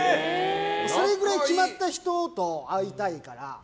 それぐらい決まった人と会いたいから。